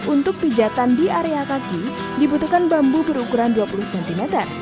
untuk pijatan di area kaki dibutuhkan bambu berukuran dua puluh cm